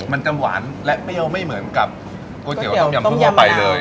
มันจะหวานและเปรี้ยวไม่เหมือนกับก๋วยเตี๋ยต้มยำพึ่งทั่วไปเลย